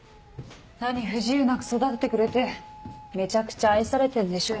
何不自由なく育ててくれてめちゃくちゃ愛されてんでしょ